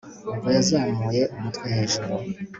ubwo yazamuye umutwe hejuru